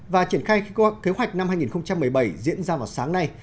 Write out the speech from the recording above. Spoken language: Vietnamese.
và triển khai kế hoạch năm hai nghìn một mươi bảy diễn ra vào sáng nay